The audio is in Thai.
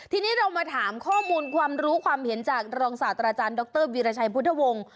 ทีนี้เรามาถามข้อมูลความรู้ความเห็นจากรองศาสตราจารย์ดรวีรชัยพุทธวงศ์